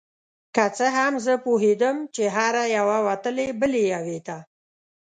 که څه هم زه پوهیدم چې هره یوه وتلې بلې یوې ته